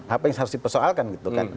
apa yang harus dipersoalkan gitu kan